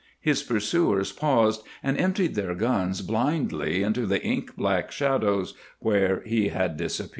His pursuers paused and emptied their guns blindly into the ink black shadows where he had disappeared.